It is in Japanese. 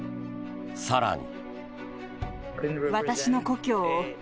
更に。